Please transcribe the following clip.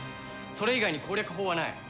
それ以外に攻略法はない。